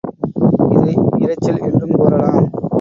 இதை இரைச்சல் என்றுங் கூறலாம்.